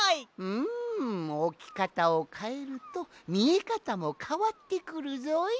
うんおきかたをかえるとみえかたもかわってくるぞい。